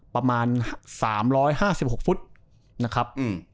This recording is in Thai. ประมาณ๓๕๖ฟุตนะครับ